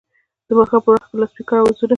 د ماښام پر وخت د لوډسپیکر اوازونه